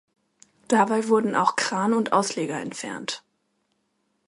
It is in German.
Dabei wurden auch Kran und Ausleger entfernt.